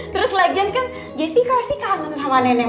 terus lagian kan jessy pasti kangen sama neneng